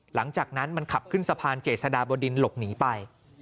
หลังจากนั้นมันขับขึ้นสะพานเจษฎาบนดินหลบหนีไป